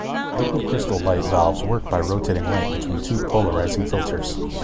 Liquid crystal light valves work by rotating light between two polarizing filters.